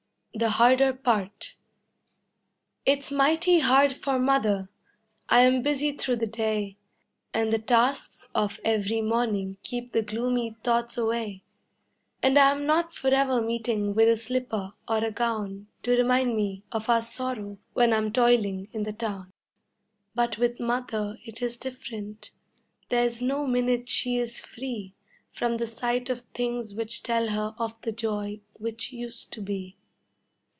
THE HARDER PART It's mighty hard for Mother I am busy through the day And the tasks of every morning keep the gloomy thoughts away, And I'm not forever meeting with a slipper or a gown To remind me of our sorrow when I'm toiling in the town. But with Mother it is different there's no minute she is free From the sight of things which tell her of the joy which used to be.